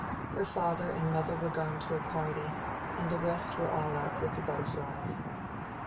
Her father and mother were gone to a party, and the rest were all out with the butterflies.